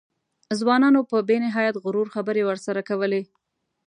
ځوانانو په بې نهایت غرور خبرې ورسره کولې.